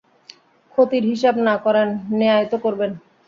ক্ষতির হিসাব না করেন, ন্যায় তো করবেন।